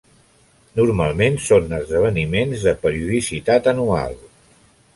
Normalment són esdeveniments de periodicitat anual.